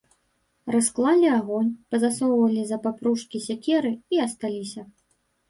Расклалі агонь, пазасоўвалі за папружкі сякеры і асталіся.